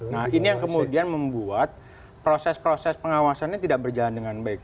nah ini yang kemudian membuat proses proses pengawasannya tidak berjalan dengan baik